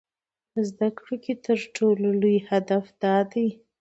په زده کړه کې تر ټولو لوی هدف دا دی.